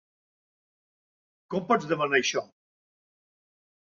Com pots demanar això?